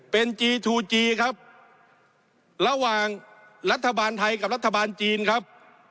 เป็นจีทูจีครับระหว่างรัฐบาลไทยกับรัฐบาลจีนครับ